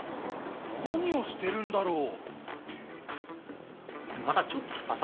何をしてるんだろう？